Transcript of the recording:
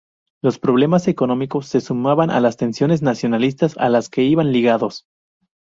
Los problemas económicos se sumaban a las tensiones nacionalistas, a las que iban ligados.